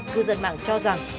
cư dân mạng cho rằng